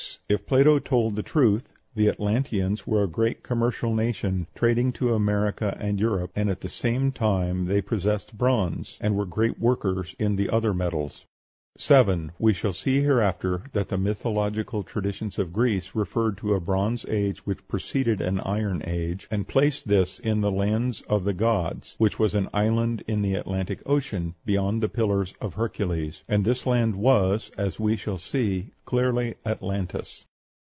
if Plato told the truth, the Atlanteans were a great commercial nation, trading to America and Europe, and, at the same time, they possessed bronze, and were great workers in the other metals. 7. We shall see hereafter that the mythological traditions of Greece referred to a Bronze Age which preceded an Iron Age, and placed this in the land of the gods, which was an island in the Atlantic Ocean, beyond the Pillars of Hercules; and this land was, as we shall see, clearly Atlantis.